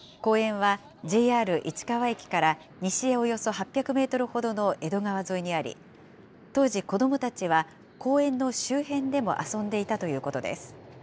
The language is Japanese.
公園はＪＲ市川駅から西へおよそ８００メートルほどの江戸川沿いにあり、当時、子どもたちは公園の周辺でも遊んでいたということです。